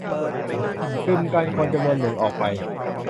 อืม กันคนจำนวนหนึ่งออกไป